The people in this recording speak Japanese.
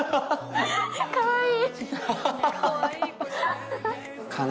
かわいい！